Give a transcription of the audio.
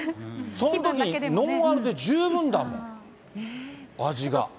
そのときにノンアルで十分だもん、味が。